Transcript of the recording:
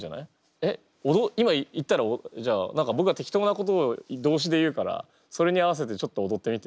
えっ今言ったらぼくが適当なことを動詞で言うからそれに合わせてちょっとおどってみて。